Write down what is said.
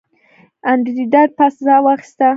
انډریو ډاټ باس ساه واخیسته